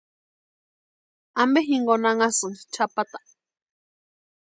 ¿Ampe jinkoni anhasïnki chʼapata?